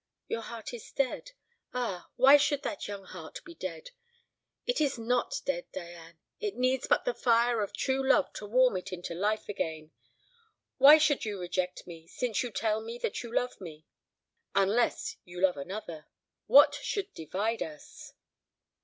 Your heart is dead. Ah, why should that young heart be dead? It is not dead, Diane; it needs but the fire of true love to warm it into life again. Why should you reject me, since you tell me that you love me; unless you love another? What should divide us?"